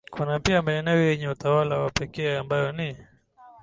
Kuna pia maeneo yenye utawala wa pekee ambayo ni